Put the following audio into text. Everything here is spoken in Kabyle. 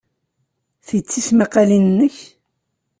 Ti d tismaqqalin-nnek?